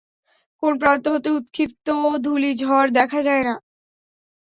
কোন প্রান্ত হতে উৎক্ষিপ্ত ধূলি ঝড় দেখা যায় না।